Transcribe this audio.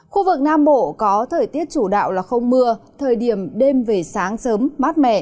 khu vực nam bộ có thời tiết chủ đạo là không mưa thời điểm đêm về sáng sớm mát mẻ